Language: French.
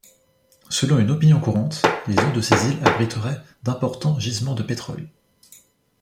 Selon une opinion courante, les eaux de ces îles abriteraient d'importants gisements de pétrole.